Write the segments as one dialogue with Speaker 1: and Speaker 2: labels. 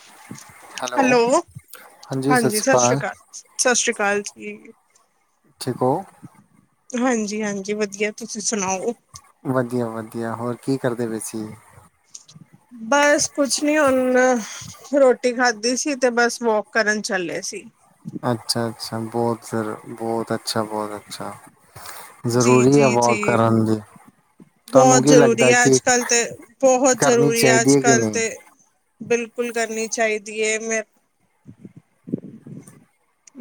Speaker 1: [inaudible] Hello,
Speaker 2: ਸਤਿ
Speaker 1: ਹਾਂਜੀ
Speaker 2: ਸ਼੍ਰੀ
Speaker 1: ਸਾਸਰੀ
Speaker 2: ਅਕਾਲ
Speaker 1: ਕਾਲ, ਸਾਸਰੀ ਕਾਲ ਜੀ।
Speaker 2: ਠੀਕ ਓ
Speaker 1: ਹਾਂਜੀ-ਹਾਂਜੀ ਵਧੀਆ ਤੁਸੀਂ ਸੁਣਾਓ?
Speaker 2: ਵਧੀਆ-ਵਧੀਆ, ਹੋਰ ਕੀ ਕਰਦੇ ਪਏ ਸੀ?
Speaker 1: ਬੱਸ ਕੁਛ ਨੀ ਹੁਨ ਰੋਟੀ ਖਾਧੀ ਸੀ ਤੇ ਬਸ ਵੋਕ ਕਰਨ ਚੱਲੇ ਸੀ।
Speaker 2: ਅੱਛਾ-ਅੱਛਾ ਬੋਤ ਸਰ ਬੋਤ ਅੱਛਾ ਬੋਤ ਅੱਛਾ। ਜ਼ਰੂਰੀ ਹੈ ਵਾਕ
Speaker 1: ਜੀ-ਜੀ-ਜੀ।
Speaker 2: ਕਰਨ ਦੀ ਤੁਹਾਨੂੰ
Speaker 1: ਬਹੁਤ
Speaker 2: ਕੀ
Speaker 1: ਜ਼ਰੂਰੀ
Speaker 2: ਲੱਗਦਾ
Speaker 1: ਐ
Speaker 2: ਕਿ
Speaker 1: ਅੱਜ ਕੱਲ੍ਹ ਤੇ ਬਹੁਤ
Speaker 2: ਕਰਨੀ
Speaker 1: ਜ਼ਰੂਰੀ ਐ
Speaker 2: ਚਾਹੀਦੀ
Speaker 1: ਅੱਜ
Speaker 2: ਹੈ ਕਿ
Speaker 1: ਕੱਲ
Speaker 2: ਨਹੀਂ
Speaker 1: 'ਤੇ ਬਿਲਕੁਲ ਕਰਨੀ ਚਾਹੀਦੀ ਐ, ਮੈਂ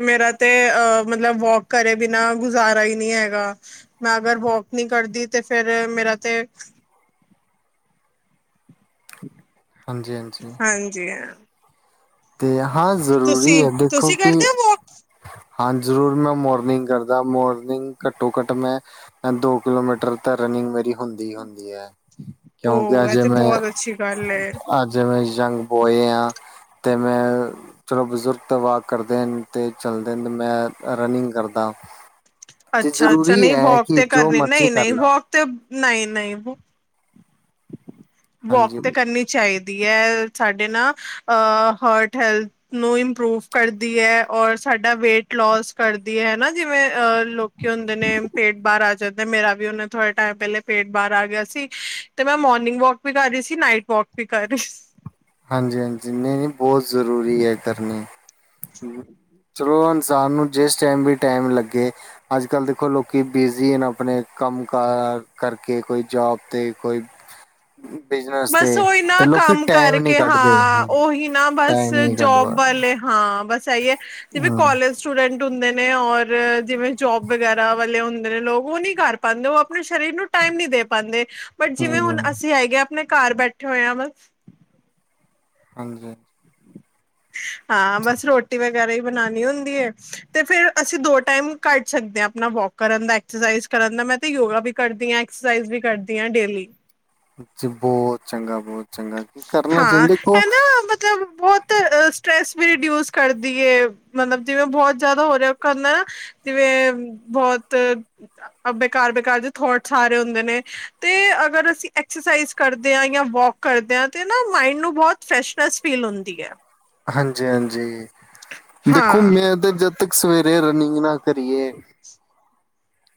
Speaker 1: ਮੇਰਾ ਤੇ ਅ ਮਤਲਬ ਵੋਕ ਕਰੇ ਬਿਨਾਂ ਗੁਜ਼ਾਰਾ ਈ ਨੀ ਹੈਗਾ। ਮੈਂ ਅਗਰ ਵੋਕ ਨੀ ਕਰਦੀ ਤੇ ਫੇਰ ਮੇਰਾ 'ਤੇ
Speaker 2: ਹਾਂਜੀ-ਹਾਂਜੀ।
Speaker 1: ਹਾਂਜੀ ਹਾ,
Speaker 2: ਤੇ ਹਾਂ ਜ਼ਰੂਰੀ ਐ ਦੇਖੋ
Speaker 1: ਤੁਸੀਂ
Speaker 2: ਕਿ
Speaker 1: ਕਰਦੇ ਹੋ ਵੋਕ?
Speaker 2: ਹਾਂ ਜ਼ਰੂਰ ਮੈਂ ਮੋਰਨਿੰਗ ਕਰਦਾ ਮੋਰਨਿੰਗ ਘੱਟੋ-ਘੱਟ ਮੈਂ ਦੋ ਕਿਲੋਮੀਟਰ ਤਾਂ ਰਨਿੰਗ ਮੇਰੀ ਹੁੰਦੀ ਹੀ ਹੁੰਦੀ ਐ। ਕਿਉਂਕਿ
Speaker 1: ਉਹ ਇਹ
Speaker 2: ਅਜੇ
Speaker 1: ਤੇ
Speaker 2: ਮੈਂ
Speaker 1: ਬਹੁਤ ਅੱਛੀ ਗੱਲ ਏ
Speaker 2: ਅਜੇ ਮੈਂ ਯੰਗ ਬੋਏ ਆ। ਤੇ ਮੈਂ ਚਲੋ ਬਜ਼ੁਰਗ ਤਾਂ ਵਾਕ ਕਰਦੇ ਨੇ ਤੇ ਚੱਲਦੇ ਨੇ ਮੈਂ ਰਨਿੰਗ ਕਰਦਾ। ਤੇ
Speaker 1: ਅੱਛਾ-ਅੱਛਾ
Speaker 2: ਜ਼ਰੂਰੀ
Speaker 1: ਨਈ
Speaker 2: ਹੈ
Speaker 1: ਵੋਕ
Speaker 2: ਕਿ
Speaker 1: ਤੇ
Speaker 2: ਜੋ
Speaker 1: ਕਰਨੀ
Speaker 2: ਮਰਜ਼ੀ ਕਰ
Speaker 1: ਨਈ-ਨਈ
Speaker 2: ਲਓ
Speaker 1: ਵੋਕ ਤੇ ਨਈ-ਨਈ ਵੋਕ
Speaker 2: ਹਾਂਜੀ।
Speaker 1: ਤੇ ਕਰਨੀ ਚਾਹੀਦੀ ਐ ਸਾਡੇ ਨਾ ਅ ਹਾਰਟ ਹੈਥਲ ਨੂੰ ਇੰਪਰੂਵ ਕਰਦੀ ਐ ਔਰ ਸਾਡਾ ਵੇਟ ਲੋਸ ਕਰਦੀ ਐ ਹਨਾ, ਜਿਵੇਂ ਅ ਲੋਕੀ ਹੁੰਦੇ ਨੇ ਪੇਟ ਬਾਰ ਆ ਜਾਂਦਾ ਤੇ ਮੇਰਾ ਵੀ ਉਹਨੇ ਥੋੜੇ ਟਾਈਮ ਪਹਿਲੇ ਪੇਟ ਬਾਰ ਆ ਗਿਆ ਸੀ ਤੇ ਮੈਂ ਮੋਰਨਿੰਗ ਵੋਕ ਵੀ ਕਰ ਰੀ ਸੀ, ਨਾਈਟ ਵੋਕ ਵੀ ਕਰ ਰੀ ਸੀ।
Speaker 2: ਹਾਂਜੀ-ਹਾਂਜੀ ਨਈ-ਨਈ ਬਹੁਤ ਜ਼ਰੂਰੀ ਐ ਕਰਨੀ ਹੂੰ, ਚਲੋ ਇਨਸਾਨ ਨੂੰ ਜਿਸ ਟੈਮ ਵੀ ਟੈਮ ਲੱਗੇ ਅੱਜ ਕੱਲ੍ਹ ਦੇਖੋ ਲੋਕੀ ਬੀਜ਼ੀ ਨੇ ਆਪਣੇ ਕੰਮ ਕਾਰ ਕਰਕੇ ਕੋਈ ਜੋਬ ਤੇ ਕੋਈ [inaudible] ਬਿਜ਼ਨਰ
Speaker 1: ਬਸ ਉਹੀ ਨਾ ਕੰਮ ਕਰਕੇ ਹਾਂ, ਉਹੀ ਨਾ ਬਸ
Speaker 2: ਟਾਈਮ ਨੀ ਕੱਢ
Speaker 1: ਜੋਬ
Speaker 2: ਪਾ
Speaker 1: ਵਾਲੇ ਹਾਂ ਬਸ ਇਹੀ ਐ, ਜਿਵੇਂ ਕੋਲਜ ਸਟੂਡੈਂਟ ਹੁੰਦੇ ਨੇ ਔਰ, ਜਿਵੇਂ ਜੋਬ ਵਗੈਰਾ ਵਾਲੇ ਨੇ ਲੋਕ ਉਹ ਨੀ ਕਰ ਪਾਦੇ, ਉਹ ਆਪਣੇ ਸਰੀਰ ਨੂੰ ਟਾਈਮ ਨੀ ਦੇ ਪਾਦੇ ਬਟ, ਜਿਵੇਂ ਹੁਣ
Speaker 2: ਹਮ
Speaker 1: ਅਸੀਂ ਹੈਗੇ ਆਪਣੇ ਘਰ ਬੈਠੇ ਹੋਏ ਆ।
Speaker 2: ਹਾਂਜੀ।
Speaker 1: ਹਾਂ ਬਸ ਰੋਟੀ ਵ ਵਗਰਾ ਹੁੰਦੀ ਐ ਤੇ ਫੇਰ ਅਸੀਂ ਦੋ ਟਾਈਮ ਕਰ ਸਕਦੇ ਆ ਆਪਣਾ ਵੋਕ ਕਰਨ ਦਾ ਐਕਸਰਸਾਈਜ਼ ਕਰਨ ਦਾ ਮੈਂ ਤੇ ਯੋਗਾ ਵੀ ਕਰਦੀ ਆ, ਐਕਸਰਸਾਈਜ਼ ਵੀ ਕਰਦੀ ਆ ਡੇਲੀ।
Speaker 2: ਜੀ ਬੋਤ ਚੰਗਾ ਬੋਤ
Speaker 1: ਹਾਂ, ਇਹ ਨਾ ਮਤਲਬ ਬੁਹਤ ਸਟਰ੍ਰੈਸ ਵੀ ਰਿਡਿਊਸ ਕਰਦੀ ਐਂ, ਮਤਲਬ ਜਿਵੇਂ ਬਹੁਤ ਜਿਆਦਾ ਔ ਰਿਹਾ ਕਰਨਾ ਜਿਵੇਂ ਬਹੁਤ ਬੇਕਾਰ-ਬੇਕਾਰ ਦੇ ਥੋਟਸ ਆ ਰਹੇ ਹੁੰਦੇ ਨੇ ਤੇ ਅਗਰ ਅਸੀਂ ਐਕਸਰਸਾਈਜ਼ ਕਰਦੇ ਆ ਜਾਂ ਵੋਕ ਕਰਦਿਆਂ ਤੇ ਮਾਇੰਡ ਨੂੰ ਬਹੁਤ ਫਰੈਸ਼ ਫਰੈਸ ਫੀਲ ਹੁੰਦੀ ਐ
Speaker 2: ਹਾਂਜੀ-ਹਾਂਜੀ ਦੇਖੋ
Speaker 1: ਹਾਂ,
Speaker 2: ਮੈਂ ਤੇ ਜਦ ਤੱਕ ਸਵੇਰੇ ਰਨਿੰਗ ਨਾ ਕਰੀਏ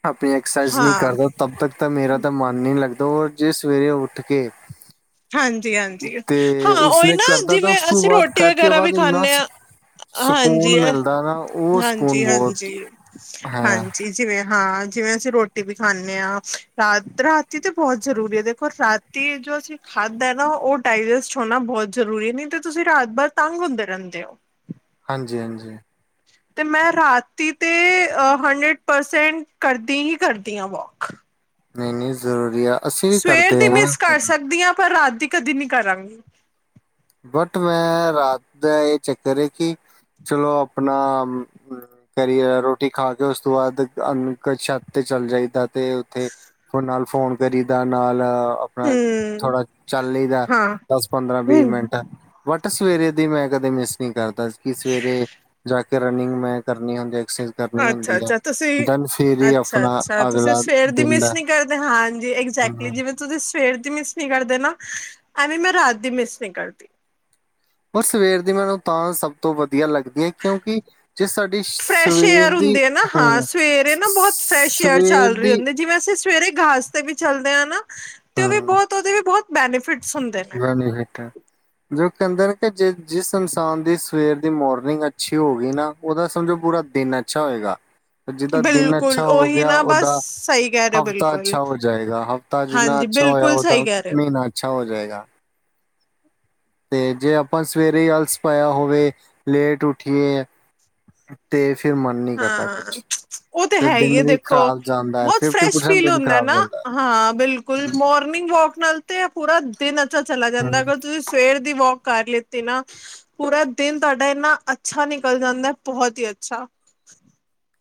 Speaker 2: ਆਪਣੀ ਐਕਸਰਸਾਈਜ਼ ਨਹੀਂ
Speaker 1: ਹਾਂ,
Speaker 2: ਕਰਦਾ ਤਬ ਤੱਕ ਤਾਂ ਮੇਰਾ ਤਾਂ ਮਨ ਨੀ ਲੱਗਦਾ। ਔਰ ਜੇ ਸਵੇਰੇ ਉੱਠ ਕੇ
Speaker 1: ਹਾਂਜੀ -ਹਾਂਜੀ!
Speaker 2: ਤੇ
Speaker 1: ਹਾਂ ਉਹੀ
Speaker 2: ਉਸਨੇ
Speaker 1: ਨਾ
Speaker 2: ਕਰਦਾ ਤਾਂ
Speaker 1: ਜਿਵੇਂ
Speaker 2: ਉਸ ਤੋਂ
Speaker 1: ਅਸੀਂ
Speaker 2: ਬਾਅਦ
Speaker 1: ਰੋਟੀ
Speaker 2: ਕਰਕੇ
Speaker 1: ਵਗੈਰਾ ਵੀ
Speaker 2: ਬਾਅਦ ਇੰਨਾ
Speaker 1: ਖਾਂਨੇ
Speaker 2: ਸ-
Speaker 1: ਆਂ।
Speaker 2: ਸਕੂਨ
Speaker 1: ਹਾਂਜੀ-
Speaker 2: ਮਿਲਦਾ ਨਾ ਉਹ ਸਕੂਨ
Speaker 1: ਹਾਂਜੀ,
Speaker 2: ਬਹੁਤ
Speaker 1: ਹਾਂਜੀ-
Speaker 2: ਹੈ
Speaker 1: ਹਾਂਜੀ। ਜਿਵੇਂ ਹਾਂ ਜਿਵੇਂ ਅਸੀਂ ਰੋਟੀ ਵੀ ਖਾਂਨੇ ਹਾਂ ਰਾਤ ਰਾਤੀ ਤੇ ਬੋਤ ਜ਼ਰੂਰੀ ਏ ਦੇਖੋ ਰਾ ਤੀ ਜੋ ਅਸੀਂ ਖਾਦੈ ਨਾ ਉਹ ਡਾਇਜਸਟ ਹੋਣਾ ਬੋਤ ਜ਼ਰੂਰੀ ਏ ਨਈ ਤੇ ਤੁਸੀਂ ਰਾਤ ਭਰ ਤੰਗ ਹੁੰਦੇ ਰਹਿੰਦੇ ਓ।
Speaker 2: ਹਾਂਜੀ-ਹਾਂਜੀ।
Speaker 1: ਤੇ ਮੈਂ ਰਾਤੀ ਤੇ ਹੰਡਰਡ ਪਰਸੈਂਟ ਕਰਦੀ ਹੀ ਕਰਦੀ ਆਂ ਵੋਕ
Speaker 2: ਨਈ- ਨਈ ਜ਼ਰੂਰੀ ਆ। ਅਸੀਂ ਵੀ
Speaker 1: ਸਵੇਰ
Speaker 2: ਕਰਦੇ
Speaker 1: ਦੀ ਮਿਸ
Speaker 2: ਹਾਂ
Speaker 1: ਕਰ ਸਕਦੀ ਆਂ ਪਰ ਰਾਤ ਦੀ ਕਦੀ ਨੀ ਕਰਾਂਗੀ।
Speaker 2: ਬਟ ਮੈਂ ਰਾਤ ਦਾ ਇਹ ਚੱਕਰ ਏ ਕਿ ਚਲੋ ਆਪਣਾ ਕਰੀ ਰੋਟੀ ਖਾ ਕੇ ਉਸ ਤੋਂ ਬਾਦ ਅਨ ਛੱਤ ਤੇ ਚੱਲ ਜਾਈ ਦਾ। ਤੇ ਉੱਥੇ ਫ ਨਾਲ ਫੋਨ ਕਰੀਦਾ ਨਾਲ ਆਪਣਾ
Speaker 1: ਹਮ
Speaker 2: ਥੋੜਾ ਚੱਲ ਲੀ ਦੈ
Speaker 1: ਹਾਂ
Speaker 2: ਦੱਸ, ਪੰਦਰਾਂ, ਵੀਹ
Speaker 1: ਹਮ
Speaker 2: ਮਿੰਟ। ਬਟ ਸਵੇਰੇ ਦੀ ਮੈਂ ਕਦੇ ਮਿਸ ਨਹੀਂ ਕਰਦਾ ਕਿ ਸਵੇਰੇ ਜਾ ਕੇ ਰਨਿੰਗ ਮੈਂ ਕਰਨੀ ਹੁੰਦੀ। ਐਕਸ
Speaker 1: ਅੱਛਾ-ਅੱਛਾ ਤੁਸੀਂ ਅੱਛਾ-
Speaker 2: ਆਪਣਾ
Speaker 1: ਅੱਛਾ ਤੁਸੀਂ
Speaker 2: ਅਗਲਾ
Speaker 1: ਸਵੇਰ ਦੀ
Speaker 2: ਦਿਨ
Speaker 1: ਮਿਸ
Speaker 2: ਦਾ
Speaker 1: ਨੀ ਕਰਦੇ ਹਾਂਜੀ।
Speaker 2: ਹਮ,
Speaker 1: ਐਕਜੈਕਟਲੀ ਜਿਵੇਂ ਤੁਸੀਂ ਸਵੇਰ ਦੀ ਮਿਸ ਨੀ ਕਰਦੇ ਨਾ ਐਵੇਂ ਮੈਂ ਰਾਤ ਦੀ ਮਿਸ ਨੀ ਕਰਦੀ।
Speaker 2: ਪਰ ਸਵੇਰ ਦੀ ਮੈਨੂੰ ਤਾਂ ਸਭ ਤੋਂ ਵਧ ਵਧੀਆ ਲੱਗਦੀ ਏ ਕਿਉਂਕਿ ਜੇ ਸਾਡੀ ਸਵੇਰ ਦੀ ਹਾਂ
Speaker 1: ਸਵੇਰ ਨਾ ਬਹੁਤ ਫਰੈਸ਼ ਏਅਰ
Speaker 2: ਸਵੇਰ
Speaker 1: ਚੱਲ ਰੀ
Speaker 2: ਦੀ
Speaker 1: ਹੁੰਦੀ। ਜਿਵੇਂ ਅਸੀਂ ਸਵੇਰੇ ਘਾਸ ਤੇ ਵੀ ਚਲਦੇ ਆ ਨਾ ਤੇ ਉਹ ਵੀ ਬਹੁਤ ਉਹਦੇ ਵੀ ਬਹੁਤ ਬੈਨੀਫਿਟ
Speaker 2: ਮੈਂ ਨੀ ਵੇਖਿਆ ਜੋ ਕਹਿੰਦੇ ਨੇ ਕਿ ਜੇ ਜਿਸ ਇਨਸਾਨ ਦੀ ਸਵੇਰ ਦੀ ਮੋਰਨਿੰਗ ਅੱਛੀ ਹੋ ਗੀ ਨਾ ਉਹਦਾ ਸਮਝੋ ਪੂਰਾ ਦਿਨ ਅੱਛਾ ਹੋਏਗਾ। ਜਿਹਦਾ ਦਿਨ ਅੱਛਾ
Speaker 1: ਬਿਲਕੁਲ
Speaker 2: ਹੋ
Speaker 1: ਉਹੀ
Speaker 2: ਗਿਆ
Speaker 1: ਨਾ ਬਸ
Speaker 2: ਓਹਦਾ
Speaker 1: ਸਹੀ ਕਹਿ ਰਹੇ ਹੋ
Speaker 2: ਹਫ਼ਤਾ
Speaker 1: ਬਿਲਕੁਲ
Speaker 2: ਅੱਛਾ ਹੋ ਜਾਏਂਗਾ। ਹਫਤਾ ਜਿਨਾ
Speaker 1: ਹਾਂਜੀ
Speaker 2: ਅੱਛਾ ਹੋਇਆ,
Speaker 1: ਬਿਲਕੁਲ ਸਹੀ
Speaker 2: ਉਹਦਾ
Speaker 1: ਕਹਿ ਰਹੇ ਹੋ।
Speaker 2: ਮਹੀਨਾ ਅੱਛਾ ਹੋ ਜਾਏਗਾ। ਤੇ ਜੇ ਆਪਾਂ ਸਵੇਰੇ ਹੀ ਅਆਲਸ ਪਾਇਆ ਹੋਵੇ ਲੇਟ ਉੱਠੀਏ ਤੇ ਫਿਰ ਮਨ ਨੀ ਕਰਦਾ
Speaker 1: ਹਾਂ
Speaker 2: ਕੁਛ
Speaker 1: ਉਹ ਤੇ
Speaker 2: ਫਿਰ
Speaker 1: ਹੈ ਈ
Speaker 2: ਦਿਨ
Speaker 1: ਏ
Speaker 2: ਵੀ
Speaker 1: ਦੇਖੋ
Speaker 2: ਖ਼ਰਾਬ ਜਾਂਦਾ ਹੈ
Speaker 1: ਬਹੁਤ
Speaker 2: ਫਿਫਟੀ
Speaker 1: ਫਰੈਸ਼
Speaker 2: ਪਰਸੈਂਟ
Speaker 1: ਫੀਲ
Speaker 2: ਦਿਨ
Speaker 1: ਹੁੰਦੈ
Speaker 2: ਖ਼ਰਾਬ
Speaker 1: ਨਾ
Speaker 2: ਜਾਂਦਾ
Speaker 1: ਹਾਂ ਬਿਲਕੁਲ ਕੁੱਲ ਮੋਰਨਿੰਗ ਵੋਕ ਨਾਲ ਤੇ ਪੂਰਾ ਦਿਨ ਅੱਛਾ ਚਲਾ ਜਾਂਦੈ,
Speaker 2: ਹੈ।
Speaker 1: ਅਗਰ ਤੁਸੀਂ ਸਵੇਰ ਦੀ ਵੋਕ ਕਰ ਲਿੱਤੀ ਨਾ ਪੂਰਾ ਦਿਨ ਤੁਹਾਡਾ ਇੰਨਾ ਅੱਛਾ ਨਿਕਲ ਜਾਂਦੈ ਬਹੁਤ ਹੀ ਅੱਛਾ।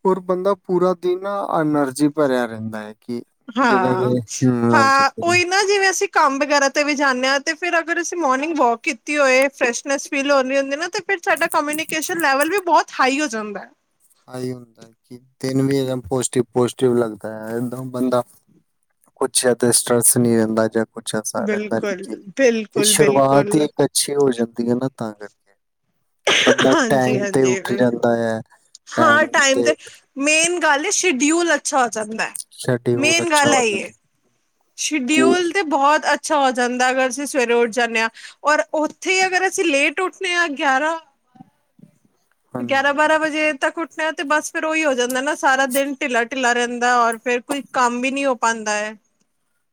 Speaker 2: ਔਰ ਬੰਦਾ ਪੂਰਾ ਦਿਨ ਨਾ ਐਨਰਜੀ ਭਰਿਆ ਰਹਿੰਦੈ ਏ।
Speaker 1: ਹਾਂ-ਹਾਂ
Speaker 2: ਚੱਕਰ ਹੈ।
Speaker 1: ਉਹੀ ਨਾ ਜਿਵੇਂ ਅਸੀਂ ਕੰਮ ਵਗੈਰਾ ਤੇ ਵੀ ਜਾਂਨੇ ਆਂ ਤੇ ਫੇਰ ਅਗਰ ਅਸੀਂ ਮੋਰਨਿੰਗ ਵੋਕ ਕੀਤੀ ਹੋਏ ਫਰੈਸ਼ਸ਼ਨੈਸ ਫੀਲ ਹੋ ਰੀ ਹੁੰਦੀ ਨਾ ਤੇ ਫੇਰ ਸਾਡਾ ਕਮਿਊਨੀਕੇਸ਼ਨ ਲੈਵਲ ਵੀ ਬਹੁਤ ਹਾਈ ਹੋ ਜਾਂਦੈ।
Speaker 2: ਆਹੀ ਹੁੰਦੈ ਕਿ ਦਿਨ ਵੀ ਪੋਜਟੀਵ ਪੋਜਟੀਵ ਲੱਗਦੈ, ਅੰਦਰੋਂ ਬੰਦਾ ਕੁਛ ਸਟਰ੍ਰਸ ਨੀ ਰਹਿੰਦਾ ਜਾਂ ਕੁਛ ਐਸਾ ਰਹਿੰਦਾ ਨੀ
Speaker 1: ਬਿਲਕੁਲ
Speaker 2: ਕਿ ਤੇ
Speaker 1: ਬਿਲਕੁਲ
Speaker 2: ਸ਼ੁਰੂਆਤ
Speaker 1: ਬਿਲਕੁਲ
Speaker 2: ਹੀ ਅੱਛੀ ਹੋ ਜਾਂਦੀ ਐ ਨਾ ਤਾਂ ਕਰਕੇ ਬੰਦਾ
Speaker 1: ਹਾਂਜੀ
Speaker 2: ਟਾਈਮ ਤੇ ਉੱਠ
Speaker 1: ਹਾਂਜੀ
Speaker 2: ਜਾਂਦਾ ਐ।
Speaker 1: ਹਾਂ ਟਾਈਮ ਤੇ ਮੇਨ ਗੱਲ ਏ ਸ਼ਡਿਯੂਲ ਅੱਛਾ ਹੋ ਜਾਂਦੈ
Speaker 2: ਸ਼ਡਿਊਲ
Speaker 1: ਮੇਨ
Speaker 2: ਅੱਛਾ
Speaker 1: ਗੱਲ
Speaker 2: ਹੋ
Speaker 1: ਐ ਈ ਏ।
Speaker 2: ਜਾਂਦਾ ਕਿ
Speaker 1: ਸ਼ਡਿਯੂਲ ਤੇ ਬਹੁਤ ਅੱਛਾ ਹੋ ਜਾਂਦੈ ਅਗਰ ਅਸੀਂ ਸਵੇਰੇ ਉੱਠ ਜਾਂਨੇ ਆਂ। ਔਰ ਉੱਥੇ ਅਗਰ ਅਸੀਂ ਲੇਟ ਉੱਠਨੇ ਆਂ ਗਿਆਰਾਂ
Speaker 2: [inaudible] [inaudible]
Speaker 1: ਗਿਆਰਾਂ ਬਾਰਾਂ ਵਜੇ ਤੱਕ ਉੱਠਣਾ ਤੇ ਬਸ ਫ਼ਿਰ ਉਹੀ ਹੋ ਜਾਂਦਾ ਨਾ ਸਾਰਾ ਦਿਨ ਢਿੱਲਾ ਢਿੱਲਾ ਰਹਿੰਦਾ ਔਰ ਫੇਰ ਕੋਈ ਕੰਮ ਵੀ ਨੀ ਹੋ ਪਾਂਦਾ ਹੈ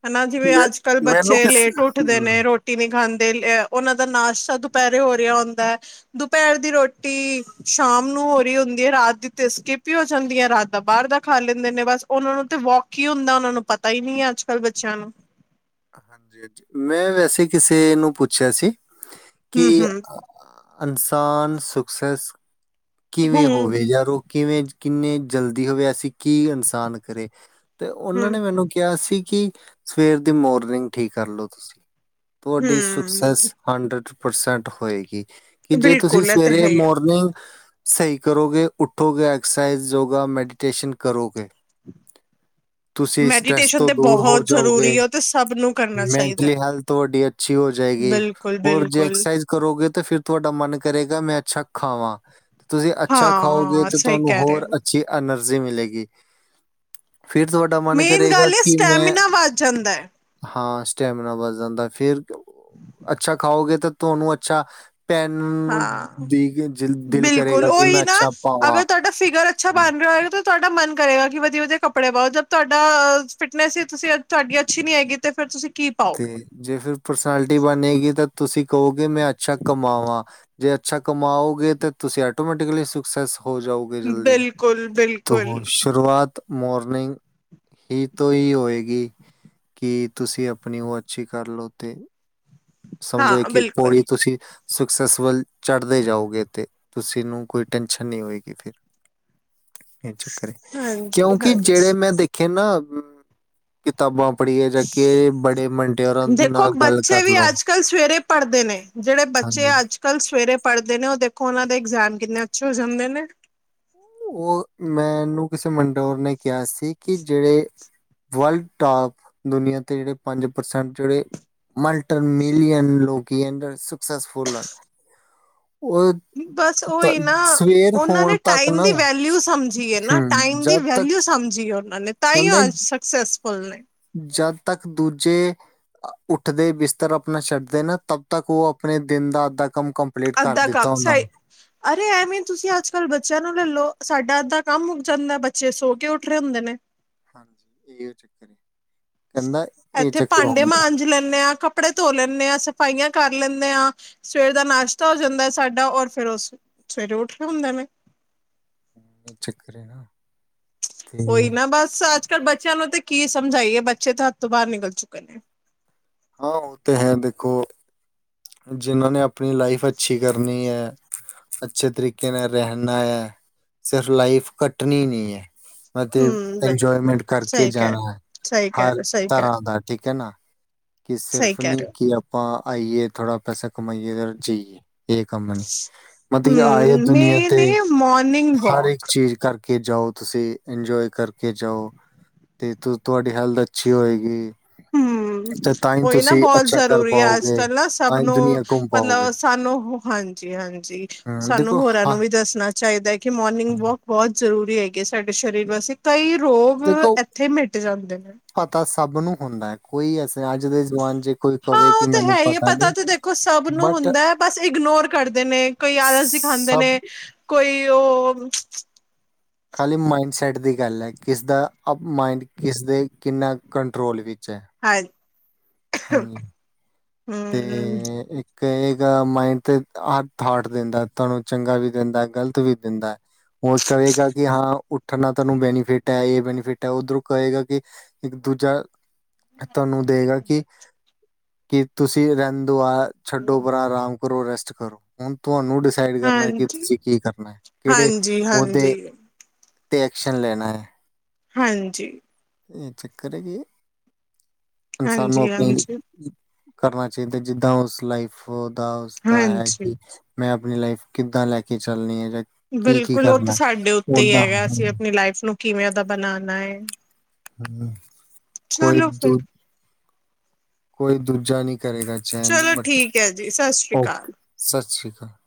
Speaker 1: ਹਨਾ ਜਿਵੇਂ
Speaker 2: ਮੈਂ
Speaker 1: ਅੱਜ-ਕੱਲ੍ਹ
Speaker 2: ਮੈਨੂੰ
Speaker 1: ਬੱਚੇ
Speaker 2: ਕਿਸ
Speaker 1: ਲੇਟ ਉੱਠਦੇ ਨੇ
Speaker 2: ਹਮ
Speaker 1: ਰੋਟ ਰੋਟੀ ਨਹੀਂ ਖਾਂਦੇ ਉਹਨਾਂ ਦਾ ਨਾਸ਼ਤਾ ਦੁਪਹਿਰੇ ਹੋ ਰਿਹਾ ਹੁੰਦਾ। ਦੁਪਹਿਰ ਦੀ ਰੋਟੀ ਸ਼ਾਮ ਨੂੰ ਹੋ ਰਹੀ ਹੁੰਦੀ ਹੈ ਰਾਤ ਦੀ ਤੇ ਸਕਿੱਪ ਹੀ ਹੋ ਜਾਂਦੀ ਹੈ ਰਾਤ ਦਾ ਬਾਹਰ ਦਾ ਖਾ ਲੈਂਦੇ ਨੇ ਬਸ ਉਹਨਾਂ ਨੂੰ ਤੇ ਵੋਕ ਕੀ ਹੁੰਦਾ ਉਹਨਾਂ ਨੂੰ ਪਤਾ ਹੀ ਨਹੀਂ ਹੈ ਅੱਜ ਕੱਲ ਬੱਚਿਆਂ ਨੂੰ।
Speaker 2: ਹਾਂਜੀ ਹਾਂਜੀ, ਮੈਂ ਵੈਸੇ ਕਿਸੇ ਨੂੰ ਪੁੱਛਿਆ ਸੀ
Speaker 1: ਹਮ
Speaker 2: ਕਿ
Speaker 1: ਹਮ
Speaker 2: ੲਨਸਾਨ ਸੁਕਸੈਸ
Speaker 1: ਹਮ
Speaker 2: ਕਿਵੇਂ ਹੋਵੇ ਯਾਰ ਉਹ ਕਿਵੇਂ ਕਿੰਨ੍ਹੇ ਜਲਦੀ ਹੋਵੇ ਅਸੀਂ ਕੀ ੲਨਸਾਨ ਕਰੇ। ਤੇ ਉਹਨਾਂ
Speaker 1: ਹਮ
Speaker 2: ਨੇ ਮੈਨੂੰ ਕਿਹਾ ਸੀ ਕਿ ਸਵੇਰ ਦੀ ਮੋਰਨਿੰਗ ਠੀਕ ਕਰ ਲਓ ਤੁਸੀਂ। ਤੁਹਾਡੀ ਸੁਕਸੈਸ
Speaker 1: ਹਮ
Speaker 2: ਹੰਡਰਡ ਪਰਸੈਂਟ ਹੋਏਗੀ। ਕਿ ਜੇ ਤੁਸੀਂ
Speaker 1: ਬਿਲਕੁਲ ਇਹ ਤੇ ਹੈ
Speaker 2: ਸਵੇਰੇ
Speaker 1: ਹੀ ਆ
Speaker 2: ਮੋਰਨਿੰਗ ਸਹੀ ਕਰੋਗੇ ਉੱਠੋਗੇ ਐਕਸਰਸਾਈਜ਼ ਜੋਗਾ ਮੈਡੀਟੇਸ਼ਨ ਕਰੋਗੇ। [inaudible] [inaudible] ਤੁਸੀਂ ਸਟਰ੍ਰੈਸ
Speaker 1: ਮੈਡੀਟੇਸ਼ਨ
Speaker 2: ਤੋਂ
Speaker 1: ਤੇ
Speaker 2: ਦੂਰ ਹੋ
Speaker 1: ਬਹੁਤ ਜ਼ਰੂਰੀ
Speaker 2: ਜਾਓਗੇ
Speaker 1: ਹੈ ਉਹ ਤੇ ਸਭ ਨੂੰ ਕਰਨਾ ਚਾਹੀਦਾ
Speaker 2: ਮੈਂਟਲੀ ਹੈਲਥ ਤੁਹਾਡੀ ਅ ਅੱਛੀ ਹੋ ਜਾਏਗੀ
Speaker 1: ਬਿਲਕੁਲ
Speaker 2: ਹੋਰ ਜੇ
Speaker 1: ਬਿਲਕੁਲ
Speaker 2: ਐਕਸਰਸਾਈਜ਼ ਕਰੋਗੇ ਤੇ ਫੇਰ ਤੁਹਾਡਾ ਮਨ ਕਰੇਗਾ ਮੈਂ ਅੱਛਾ ਖਾਵਾਂ। ਤੁਸੀਂ ਅੱਛਾ ਖਾਓਗੇ
Speaker 1: ਹਾਂ
Speaker 2: ਤੇ
Speaker 1: ਸਹੀ
Speaker 2: ਤੁਹਾਨੂੰ
Speaker 1: ਕਹਿ ਰਹੇ
Speaker 2: ਹੋਰ
Speaker 1: ਹੋ
Speaker 2: ਅੱਛੀ ਐਨਰਜੀ ਮਿਲੇਗੀ। ਫਿਰ ਤੁਹਾਡਾ ਮਨ
Speaker 1: ਮੇਨ
Speaker 2: ਕਰੇਗਾ
Speaker 1: ਗੱਲ ਹੈ
Speaker 2: ਕਿ ਮੈਂ
Speaker 1: ਸਟੈਮਿਨਾ ਵੱਧ ਜਾਂਦਾ ਹੈ
Speaker 2: ਹਾਂ ਸਟੈਮੀਨਾ ਵੱਧ ਜਾਂਦਾ ਫਿਰ ਅੱਛਾ ਖਾਓਗੇ ਤੇ ਤੁਹਾਨੂੰ ਅੱਛਾ ਭੈਣ ਨੂੰ ਦੀ ਕੇ ਜ ਦਿਲ [unintelligible]
Speaker 1: ਕੋਲ ਉਹੀ
Speaker 2: ਮੈਂ
Speaker 1: ਨਾ
Speaker 2: ਅੱਛਾ ਪਾਵਾਂ
Speaker 1: ਅਗਰ ਤੁਹਾਡਾ ਫਿਗਰ ਅੱਛਾ ਬਨ ਤੁਹਾਡਾ ਮਨ ਕਰੇਗਾ ਕਿ ਵਧੀਆ ਵਧੀਆ ਕੱਪੜੇ ਪਾਓ ਜਦ ਤੁਹਾਡਾ ਫਿਟਨੈਸ ਸੀ ਤੁਸੀਂ ਤੁਹਾਡੀ ਅੱਛੀ ਨੀ ਹੈਗੀ ਤੇ ਫੇਰ ਤੁਸੀਂ ਕੀ
Speaker 2: ਤੇ
Speaker 1: ਪਾਓਗੇ।
Speaker 2: ਜੇ ਫੇਰ ਪਰਸਨੈਲਿਟੀ ਬਨੇਗੀ ਤੇ ਤੁਸੀਂ ਕਹੋਗੇ ਮੈਂ ਅੱਛਾ ਕਮਾਵਾਂ। ਜੇ ਅੱਛਾ ਕਮਾਓਗੇ ਤੇ ਤੁਸੀਂ ਆਟੋਮੈਟਿਕਲੀ ਸੁਕਸੈਸ ਹੋ ਜਾਓ। ਜਾਉਗੇ ਜਲਦੀ
Speaker 1: ਬਿਲਕੁਲ ਬਿਲਕੁਲ
Speaker 2: [unintelligible] [unintelligible] ਸ਼ੁਰੂਆਤ ਮੋਰਨਿੰਗ ਹੀ ਤੋਂ ਹੀ ਹੋਏਗੀ। ਕਿ ਤੁਸੀਂ ਅਪਨੀ ਉਹ ਅੱਛੀ ਕਰਲਓ ਤੇ ਸਮਝੋ
Speaker 1: ਹਾਂ
Speaker 2: ਇੱਕ ਇੱਕ
Speaker 1: ਬਿਲਕੁਲ
Speaker 2: ਪੌੜੀ ਤੁਸੀਂ ਸਕਸੈਸ ਵੱਲ ਚੜ੍ਹਦੇ ਜਾਓਗੇ ਤੇ ਤੁਸੀਂ ਨੂੰ ਕੋਈ ਟੈਨਸ਼ਨ ਨਹੀਂ ਹੋਏਗੀ ਫਿਰ। ਇਹ ਚੱਕਰ ਹੈ
Speaker 1: ਹਾਂਜੀ
Speaker 2: ਕਿਉਂਕਿ ਜਿਹੜੇ
Speaker 1: ਹਾਂਜੀ
Speaker 2: ਮੈਂ ਦੇਖੇ ਨਾ ਕਿਤਾਬਾਂ ਪੜ੍ਹੀਏ ਜਾ ਕੇ ਬੜੇ ਮੰਡੇਆਰਾਂ
Speaker 1: ਦੇਖੋ
Speaker 2: ਨਾਲ ਗੱਲ
Speaker 1: ਬੱਚੇ
Speaker 2: ਕਰ
Speaker 1: ਵੀ
Speaker 2: ਲੋ।
Speaker 1: ਅੱਜ ਕੱਲ੍ਹ ਸਵੇਰੇ ਪੜ੍ਹਦੇ ਨੇ ਜੇਹੜੇ ਬੱਚੇ ਅੱਜ ਕੱਲ੍ਹ ਸਵੇਰੇ ਪੜ੍ਹਦੇ ਨੇ ਉਹ ਦੇਖੋ ਉਹਨਾਂ ਦੇ ਇਗਜ਼ਾਮ ਕਿੰਨੇ ਅੱਛੇ ਹੋ ਜਾਂਦੇ ਨੇ।
Speaker 2: ਉਹ ਮੈਨੂੰ ਕਿਸੇ ਮੰਡੋਰ ਨੇ ਕਿਹਾ ਸੀ ਕਿ ਜਿਹੜੇ ਵਰਲਡ ਟਾਪ ਦੁਨੀਆਂ 'ਤੇ ਜਿਹੜੇ ਪੰਜ ਪਰਸੈਂਟ ਜਿਹੜੇ ਮਲਟਰ ਮਿਲੀਅਨ ਲੋਕੀਐਡਰ ਸਕਸਫੁੱਲ ਆ ਉਹ
Speaker 1: ਬਸ
Speaker 2: ਤ
Speaker 1: ਉਹੀ ਨਾ
Speaker 2: ਸਵੇਰ
Speaker 1: ਉਹਨਾਂ ਨੇ
Speaker 2: ਹੋਣ ਤੱਕ।
Speaker 1: ਟਾਈਮ
Speaker 2: ਨਾ
Speaker 1: ਦੀ ਵੈਲਿਊ ਸਮਝੀ ਏਨਾ
Speaker 2: ਹਮ,
Speaker 1: ਟਾਈਮ ਦੀ
Speaker 2: ਜਦ ਤੱਕ
Speaker 1: ਵੈਲਿਊ ਸਮਝੀ ਏ ਉਹਨਾਂ ਨੇ ਤਾਂਹੀ ੳ
Speaker 2: ਕਹਿੰਦੇ
Speaker 1: ਅੱਜ ਸਕ ਸੈਸਫੁੱਲ ਨੇ।
Speaker 2: ਜਦ ਤੱਕ ਦੂਜੇ ਅ, ਉੱਠਦੇ ਬਿਸਤਰ ਅਪਨਾ ਛੱਡਦੇ ਨਾ ਤਬ ਤੱਕ ਉਹ ਅਪਣੇ ਦਿਨ ਦਾ ਅਧਾ ਕੰਮ ਕੰ ਮਪਲੀਟ ਕਰ
Speaker 1: ਅੱਧਾ
Speaker 2: ਦਿੱਤਾ
Speaker 1: ਕੰਮ
Speaker 2: ਉਹਨਾਂ
Speaker 1: ਸਾਈ
Speaker 2: ਨੇ [unintelligible]
Speaker 1: ਅਰੇ ਐਵੇਂ ਤੁਸੀਂ ਅੱਜ ਕੱਲ੍ਹ ਬੱਚਿਆਂ ਨੂੰ ਲੈ ਲਓ ਸਾਡਾ ਅੱਧਾ ਕੰਮ ਮੁੱਕ ਜਾਂਦਾ ਬੱਚੇ ਸੋ ਕੇ ਉੱਠ ਰਹੇ ਹੁੰਦੇ ਨੇ।
Speaker 2: ਹਾਂਜੀ ਈਓ ਚੱਕਰ ਐ।
Speaker 1: ਐਥੇ ਭਾਂਡੇ ਮਾਂਜ ਲੈਨੇ ਆ ਕੱਪ ਕੱਪੜੇ ਧੋ ਲੈਨੇ ਆ ਸਫਾਈਆ ਕਰ ਲੈਨੇ ਆ ਸਵੇਰ ਦਾ ਨਾਸ਼ਤਾ ਹੋ ਜਾਂਦਾ ਸਾਡਾ ਔਰ ਫਿਰ ਓ ਸਵੇਰੇ ਉਠਦੇ ਹੁੰਦੇ ਨੇ।
Speaker 2: ਹੂੰ ਚੱਕਰ ਏ ਨਾ।
Speaker 1: ਓਇ
Speaker 2: ਤੇ
Speaker 1: ਨਾ ਬਸ ਅੱਜ ਕੱਲ ਬੱਚਿਆ ਨੂੰ ਤੇ ਕੀ ਸਮਝਆਈਏ ਬੱਚੇ ਤੇ ਹੱਥ ਤੋ ਬਾਰ ਨਿਕਲ ਚੁੱਕੇ ਨੇ।
Speaker 2: ਹਾਂ ਓ ਤੇ ਹੈ ਦੇਖੋ ਜਿੰਨਾ ਨੇ ਅਪਨੀ ਲਾਈਫ ਅੱਛੀ ਕਰਨੀ ਐ। ਅੱਛੇ ਤਰੀਕੇ ਨਾਲ ਰੇਹਨਾ ਐ। ਸਿਰਫ਼ ਲਾਈਫ ਕੱਟਨੀ ਨੀ ਐ। ਅਤੇ
Speaker 1: ਹਮ ਬਿਲਕੁਲ
Speaker 2: ਇੰਜੋਏਮੈਂਟ
Speaker 1: ਬਿਲਕੁਲ
Speaker 2: ਕਰਕੇ
Speaker 1: ਸਹੀ ਕਹਿ
Speaker 2: ਜਾਣਾ
Speaker 1: ਰਹੇ
Speaker 2: ਐ।
Speaker 1: ਸਹੀ ਕਹਿ
Speaker 2: ਹਰ
Speaker 1: ਰਹੇ ਸਹੀ ਕਹਿ
Speaker 2: ਤਰਾ
Speaker 1: ਰਹੇ,
Speaker 2: ਦਾ ਠੀਕ ਐ ਨਾ ਕਿ
Speaker 1: ਸਹੀ
Speaker 2: ਸਿਰਫ
Speaker 1: ਕਹਿ
Speaker 2: ਨੀ
Speaker 1: ਰਹੇ ਹੋ
Speaker 2: ਕੀ ਅ ਆਈਏ ਥੋੜਾ ਪੈਸਾ ਕਮਾਈਏ ਓਰ ਜਈਏ। ਐ ਕੰਮ ਨੇ ਵਧੀਆ ਆਏ ਓ
Speaker 1: ਹਮ
Speaker 2: ਦੁਨੀਆ ਤੇ
Speaker 1: ਮੈਂਨੇ ਮੋਰਨਿੰਗ
Speaker 2: ਹਰ ਇੱਕ
Speaker 1: ਵਾਕ
Speaker 2: ਚੀਜ ਕਰ ਕੇ ਜਾਓ ਤੁਸੀ ਇੰਜੋਏ ਕਰਕੇ ਜਾਓ ਤੇ ਤ ਤੁਆਡੀ ਹੈਲਥ ਅੱਛੀ ਹੋਏਗੀ।
Speaker 1: ਹੂੰ
Speaker 2: ਤੇ ਤਾਂ ਹੀ
Speaker 1: ਓਇ ਨਾ
Speaker 2: ਤੁਸੀਂ
Speaker 1: ਬੋਤ
Speaker 2: ਅੱਛਾ ਕਰ
Speaker 1: ਜ਼ਰੂਰੀ ਐ ਅੱਜ
Speaker 2: ਪਾਓਗੇ
Speaker 1: ਕੱਲ ਨਾ
Speaker 2: ਤਾਂ
Speaker 1: ਸਬ
Speaker 2: ਹੀ
Speaker 1: ਨੂੰ
Speaker 2: ਦੁਨੀਆਂ ਘੁੰਮ ਪਾਓਗੇ
Speaker 1: ਮਤਲਬ ਸਾਨੂੰ ਹਾਂਜੀ-ਹਾਂਜੀ
Speaker 2: ਹਮ
Speaker 1: ਸਾਨੂੰ
Speaker 2: ਦੇਖੋ
Speaker 1: ਹੋਰਾ ਨੂੰ
Speaker 2: ਹਾਂ
Speaker 1: ਵੀ ਦੱਸਨਾ ਚਾਹੀਦਾ ਏ ਕਿ ਮੋਰਨਿੰਗ ਵੋਕ ਬੋਤ ਜਰੂਰੀ ਹੈਗੀ ਏ ਸਾਡੇ ਸਰੀਰ ਵਾਸਤੇ ਕਈ ਰੋਗ ਅ
Speaker 2: ਦੇਖੋ
Speaker 1: ਐਥੇ ਮਿਟ ਜਾਂਦੇ ਨੇ।
Speaker 2: ਪਤਾ ਸਭ ਨੂੰ ਹੁੰਦਾ ਐ ਕੋਈ ਐਸੇ ਅੱਜ ਦੇ ਜਵਾਨ ਚ ਕੋਈ
Speaker 1: ਹਾਂ
Speaker 2: ਕਵੇ
Speaker 1: ਉਹ
Speaker 2: ਕਿ
Speaker 1: ਤਾਂ
Speaker 2: ਮੈਂ
Speaker 1: ਹੈ ਈ ਏ ਪਤਾ ਤਾ ਦੇਖੋ ਸਭ ਨੂੰ ਹੁੰਦਾ ਐ ਬਸ ਇਗਨੋਰ ਕਰਦੇ ਨੇ ਕਈ ਆਲਸ ਦਿਖਾਂਦੇ
Speaker 2: ਸਭ
Speaker 1: ਨੇ। ਕੋਈ ਓ
Speaker 2: ਖਾਲੀ ਮਾਈਂਡਸੈਟ ਦੀ ਗੱਲ ਐ ਕਿਸ ਦਾ ਅਪਮਾਈੰਡ ਕਿਸ ਦੇ ਕਿੰਨਾ ਕੰਟਰੋਲ ਵਿੱਚ ਐ।
Speaker 1: ਹਾਂ
Speaker 2: ਹਾਂਜੀ ਤੇ
Speaker 1: ਹੂੰ
Speaker 2: ਇੱਕ ਕਯੇਗਾ ਮਾਇਡ ਤੇ ਅ ਥਾਟ ਦਿੰਦਾ ਤਾਨੂੰ ਚੰਗਾ ਵੀ ਦਿੰਦਾ ਐ ਗਲਤ ਵੀ ਦਿੰਦਾ ਐ। ਓ ਕਵੇਗਾ ਕਿ ਹਾਂ ਉੱਠਨ ਨਾਲ ਤੈਨੂੰ ਬੈਨੀਫਿਟ ਐ, ਐ ਬੈਨੀਫਿਟ ਐ ਓਧਰੋ ਕਯੇਗਾ ਕਿ ਇੱਕ ਦੂਜਾ ਤਾਨੂੰ ਦੇਗਾ ਕਿ ਤੁਸੀ ਰੈਂਦੋ ਆ ਛੱਡੋ ਪਰਾ ਆਰਾਮ ਕਰੋ ਰੈਸਟ ਕਰੋ ਹੁਨ ਤੁਆਨੂੰ ਸਾਈਡ ਕਰਨਾ ਏ ਕਿ
Speaker 1: ਹਾਂਜੀ।
Speaker 2: ਤੁਸੀ ਕੀ ਕਰਨਾ ਐ ਕੇੜੇ ਓਦੇ
Speaker 1: ਹਾਂਜੀ-ਹਾਂਜੀ,
Speaker 2: ਤੇ ਐਕਸ਼ਨ ਲੈਨਾ ਐ।
Speaker 1: ਹਾਂਜੀ।
Speaker 2: ਏ ਚੱਕਰ ਏ ਕਿ ਇਨਸਾਨ ਨੂੰ ਅਪਨੀ ਕਰਨਾ ਚਾਈਦਾ ਜਿੱਦਾ ਉਸ ਲਾਈਫ ਦਾ ਉਸਦਾ ਹੈ
Speaker 1: ਹਾਂਜੀ-ਹਾਂਜੀ।
Speaker 2: ਕੀ ਮੈਂ ਅਪਨੀ ਲਾਈਫ ਕਿਦਾ ਲੈ ਕੇ ਚੱਲਨੀ ਐ
Speaker 1: ਬਿਲਕੁਲ ਓ ਤੇ ਸਾਡੇ ਉੱਤੇ ਈ ਹੈਗਾ ਐ ਅਸੀ ਅਪਨੀ ਲਾਈਫ ਨੂੰ ਕਿਵੇ ਦਾ ਬਨਾਨਾ ਏ।
Speaker 2: ਹੂੰ।
Speaker 1: ਚਲੋ ਫਿਰ।
Speaker 2: ਕੋਈ ਦੂਜਾ ਨਈ ਕਰੇਗਾ ਚੇਂਜ
Speaker 1: ਚਲੋ
Speaker 2: ਬਟ
Speaker 1: ਠੀਕ ਹੈ ਜੀ ਸਤਿ ਸ਼੍ਰੀ ਅਕਾਲ।
Speaker 2: ਓਕੇ ਸੱਤ ਸ੍ਰੀ ਅਕਾਲ।